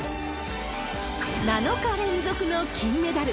７日連続の金メダル。